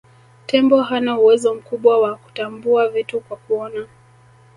tembo hana uwezo mkubwa wa kutambua vitu kwa kuona